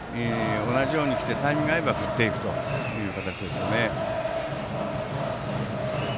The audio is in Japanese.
同じように来てタイミングが合えば振っていく形ですね。